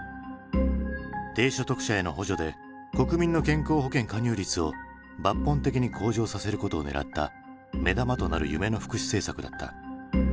低所得者への補助で国民の健康保険加入率を抜本的に向上させることをねらった目玉となる夢の福祉政策だった。